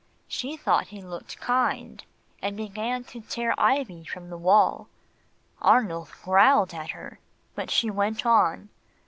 She thought he looked kind, and began to tear ivy from the wall. Arnulf growled at her, but she went on.